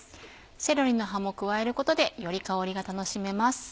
セロリの葉も加えることでより香りが楽しめます。